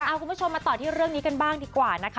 คุณผู้ชมมาต่อที่เรื่องนี้กันบ้างดีกว่านะคะ